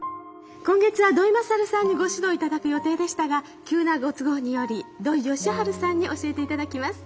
今月は土井勝さんにご指導頂く予定でしたが急なご都合により土井善晴さんに教えて頂きます。